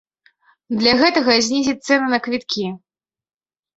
Для гэтага знізяць цэны на квіткі.